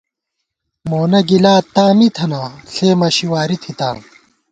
مونہ گِلا تاں می تھنہ ، ݪے مَشی واری تھِتاں